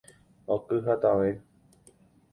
Oky hatãve